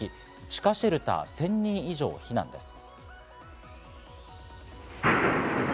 地下シェルター１０００人以上避難です。